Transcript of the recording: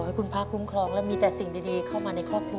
ให้คุณพระคุ้มครองและมีแต่สิ่งดีเข้ามาในครอบครัว